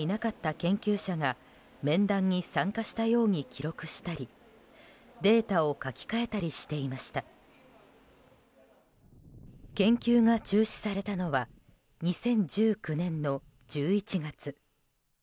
研究が中止されたのは２０１９年の１１月。